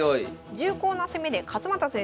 重厚な攻めで勝又先生